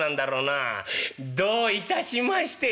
「どういたしまして」。